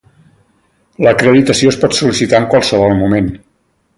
L'acreditació es pot sol·licitar en qualsevol moment.